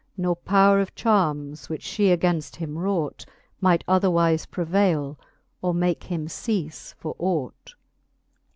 Nor powr of charms, which fhe againfl him wrought, Might otherwife prevaile, or make him ceafe for ought.